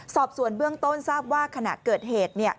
สอบส่วนเบื้องต้นทราบว่าขณะเกิดเหตุ